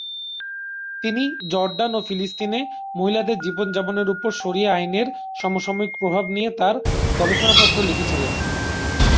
তিনি "জর্ডান ও ফিলিস্তিনে মহিলাদের জীবন-যাপনের উপর শরিয়াহ আইনের সমসাময়িক প্রভাব" নিয়ে তাঁর গবেষণাপত্র লিখেছিলেন।